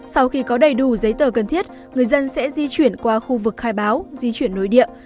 sau khi có đầy đủ giấy tờ cần thiết người dân sẽ di chuyển qua khu vực khai báo di chuyển nội địa